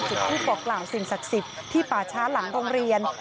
จุดทูปบอกกล่าวสิ่งศักดิ์สิทธิ์ที่ป่าช้าหลังโรงเรียน